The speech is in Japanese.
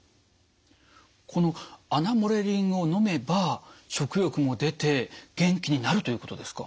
このアナモレリンをのめば食欲も出て元気になるということですか？